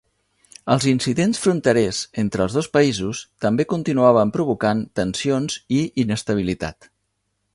Els incidents fronterers entre els dos països també continuaven provocant tensions i inestabilitat.